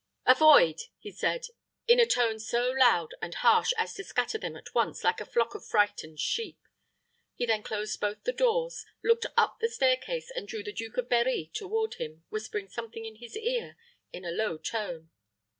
"Avoid!" he said, in a tone so loud and harsh as to scatter them at once like a flock of frightened sheep. He then closed both the doors, looked up the stair case, and drew the Duke of Berri toward him, whispering something in his ear in a low tone.